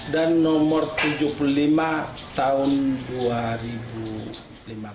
dan nomor tujuh puluh lima tahun dua ribu lima belas yang kena ott yang kena ott yang kena ott